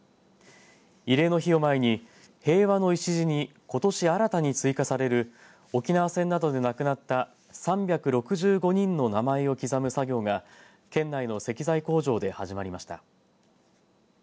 慰霊の日を前に平和の礎にことし新たに追加される沖縄戦などで亡くなった３６５人の名前を刻む作業が県内の石材工場で始まりました。